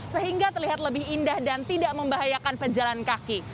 sehingga terlihat lebih indah dan tidak membahayakan pejalan kaki